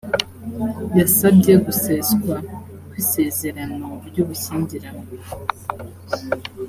yasabye guseswa kw’isezerano ry’ubushyingiranywe